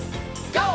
ＧＯ！